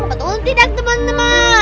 betul tidak teman teman